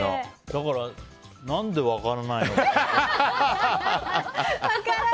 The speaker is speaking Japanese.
だから何で分からないのかなと。